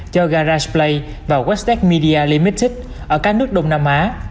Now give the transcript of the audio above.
cho garageplay và westec media ltd ở các nước đông nam á